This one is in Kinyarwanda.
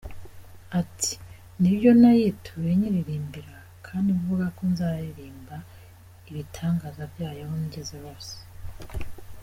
Ati: “ Ni byo nayituye nyiririmbira kandi mvuga ko nzaririmba ibitangaza byayo aho ngeze hose.